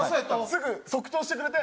すぐ即答してくれて。